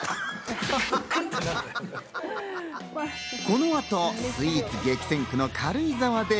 この後、スイーツ激戦区の軽井沢で